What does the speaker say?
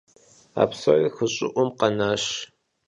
А псори хы щӀыӀум къэнащ.